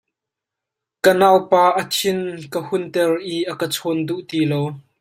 Ka naupa a thin ka hunter i a ka chawn duh ti lo.